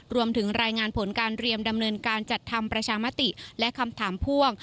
รวมถึงรายงานผลการเรียมดำเนินการจัดทำประชามติและคำถามพ่วง